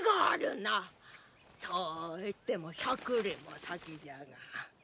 といっても１００里も先じゃが。